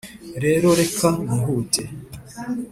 rero reka nihute!